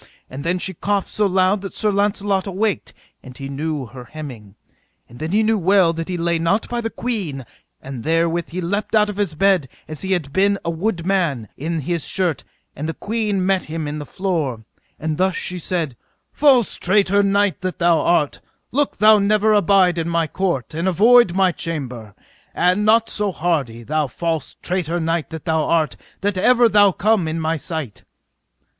And then she coughed so loud that Sir Launcelot awaked, and he knew her hemming. And then he knew well that he lay not by the queen; and therewith he leapt out of his bed as he had been a wood man, in his shirt, and the queen met him in the floor; and thus she said: False traitor knight that thou art, look thou never abide in my court, and avoid my chamber, and not so hardy, thou false traitor knight that thou art, that ever thou come in my sight.